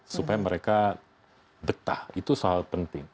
supaya mereka betah itu soal penting